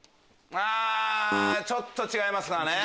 ちょっと違いますかね。